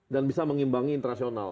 dan bisa mengimbangi internasional